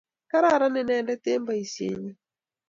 kararan inendet eng' boisienyin.